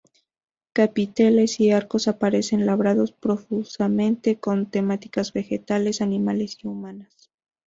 Capiteles y arcos aparecen labrados profusamente con temáticas vegetales, animales y humanas.